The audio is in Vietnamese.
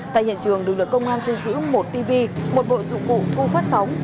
tại hiện trường được lực công an thu giữ một tv một bộ dụng cụ thu phát sóng